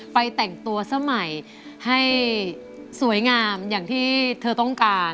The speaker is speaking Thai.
แต่งตัวซะใหม่ให้สวยงามอย่างที่เธอต้องการ